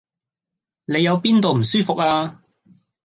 你有邊度唔舒服呀？